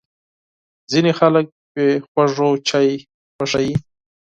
ځینې خلک بې خوږو چای خوښوي.